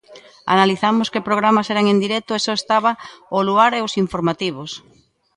Analizamos que programas eran en directo e só estaba o Luar e os informativos.